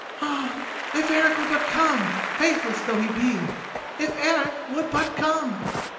"Ah, if Eric would but come, faithless though he be!—if Eric would but come!"